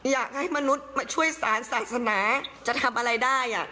อยากให้มนุษย์มาช่วยสารศาสนาจะทำอะไรได้